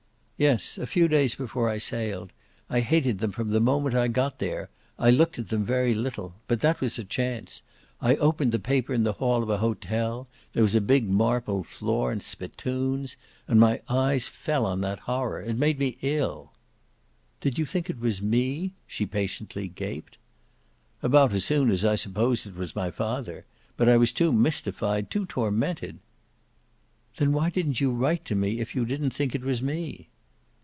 "Yes, a few days before I sailed. I hated them from the moment I got there I looked at them very little. But that was a chance. I opened the paper in the hall of an hotel there was a big marble floor and spittoons! and my eyes fell on that horror. It made me ill." "Did you think it was me?" she patiently gaped. "About as soon as I supposed it was my father. But I was too mystified, too tormented." "Then why didn't you write to me, if you didn't think it was me?"